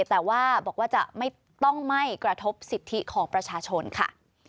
แต่ว่าบอกว่าจะไม่ต้องไม่กระทบสิทธิของประชาชนค่ะ